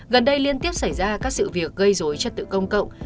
gần đây liên tiếp xảy ra các sự việc gây dối trật tự công cộng